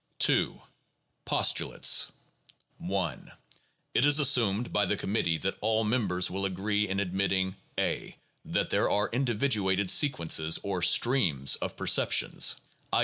II. Postulates 1. It is assumed by the committee that all members will agree in admitting (a) that there are individuated sequences or "streams" of perceptions (i.